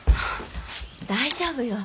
大丈夫よ。